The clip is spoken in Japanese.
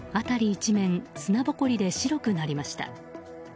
一面砂ぼこりで白くなりました。